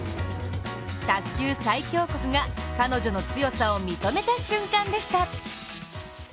卓球最強国が彼女の強さを認めた瞬間でした。